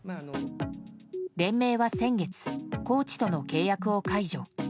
連盟は先月コーチとの契約を解除。